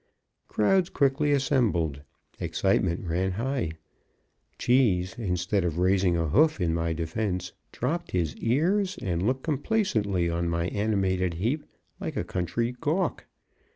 Crowds quickly assembled. Excitement ran high. Cheese, instead of raising a hoof in my defense, dropped his ears and looked complacently on my animated heap like a country gawk.